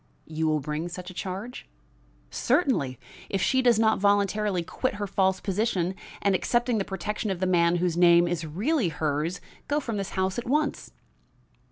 "You will bring such a charge?" "Certainly, if she does not voluntarily quit her false position, and, accepting the protection of the man whose name is really hers, go from this house at once."